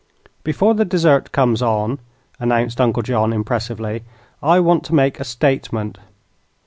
"Before the dessert comes on," announced Uncle John, impressively, "I want to make a statement.